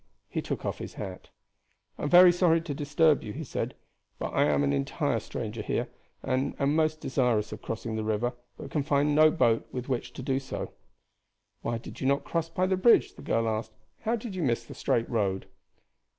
He took off his hat. "I am very sorry to disturb you," he said; "but I am an entire stranger here, and am most desirous of crossing the river, but can find no boat with which to do so." "Why did you not cross by the bridge?" the girl asked. "How did you miss the straight road?"